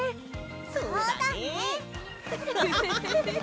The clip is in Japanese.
そうだね！